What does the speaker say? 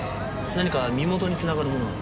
何か身元につながるものは？